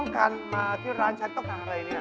การชัดต้องการอะไรเนี่ย